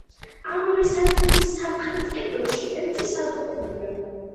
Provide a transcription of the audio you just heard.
ამავე სართულის სამხრეთ კედელში ერთი სათოფურია.